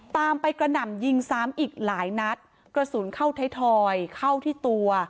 ตามไปกระหน่ำยิงซ้ำอีกหลายนัดกระสุนเข้าไทยทอยเข้าที่ตัว